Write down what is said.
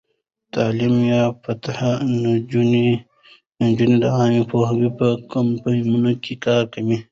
تعلیم یافته نجونې د عامه پوهاوي په کمپاینونو کې کار کوي.